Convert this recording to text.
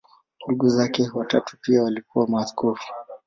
Ndugu zake watatu pia walikuwa maaskofu.